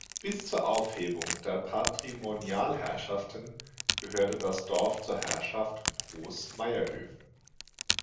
Bis zur Aufhebung der Patrimonialherrschaften gehörte das Dorf zur Herrschaft Groß Maierhöfen.